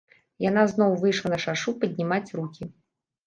Яна зноў выйшла на шашу паднімаць рукі.